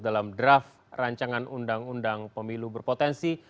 dalam draft rancangan undang undang pemilu berpotensi